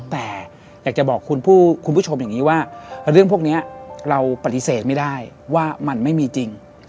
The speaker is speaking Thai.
แต่อยากจะบอกคุณผู้ชมอย่างนี้ว่าเรื่องพวกนี้เราปฏิเสธไม่ได้ว่ามันไม่มีจริง